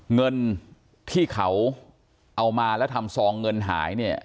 เงินที่เขาเอามาแล้วทำซองเงินหายเนี่ย